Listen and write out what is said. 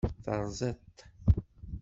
Teṛẓiḍ-t.